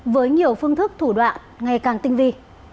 với nhiều phương thức thủ đoạn ngày càng tinh vi